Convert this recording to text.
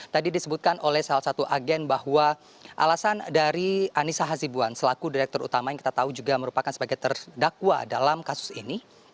tadi disebutkan oleh salah satu agen bahwa alasan dari anissa hazibuan selaku direktur utama yang kita tahu juga merupakan sebagai terdakwa dalam kasus ini